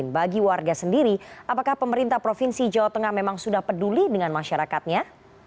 bagi warga sendiri apakah pemerintah provinsi jawa tengah memang sudah peduli dengan masyarakatnya